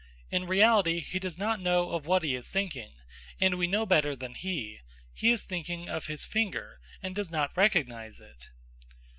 In reality he does not know of what he is thinking, and we know better than he. He is thinking of his finger, and does not recognise it.